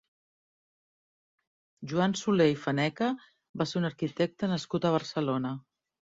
Joan Soler i Faneca va ser un arquitecte nascut a Barcelona.